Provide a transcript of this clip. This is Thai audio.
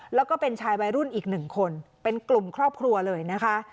แล้วก็เป็นชายวัยรุ่นอีกหนึ่งคนเป็นกลุ่มครอบครัวเลยนะคะ